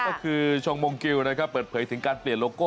ก็คือชงมงกิลนะครับเปิดเผยถึงการเปลี่ยนโลโก้